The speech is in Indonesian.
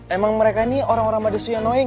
emang mereka ini orang orang badasnya annoying